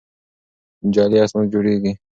جعلي اسناد جوړېږي.